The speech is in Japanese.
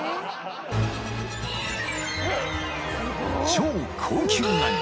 ［超高級ガニ